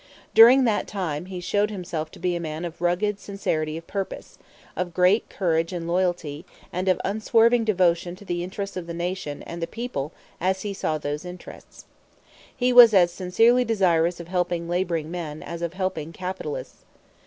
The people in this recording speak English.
During that time he showed himself to be a man of rugged sincerity of purpose, of great courage and loyalty, and of unswerving devotion to the interests of the Nation and the people as he saw those interests. He was as sincerely desirous of helping laboring men as of helping capitalists.